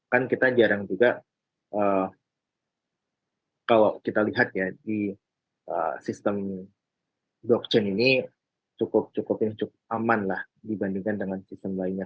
kan kita jarang juga kalau kita lihat ya di sistem blockchain ini cukup cukup aman lah dibandingkan dengan sistem lainnya